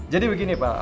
jadi begini pak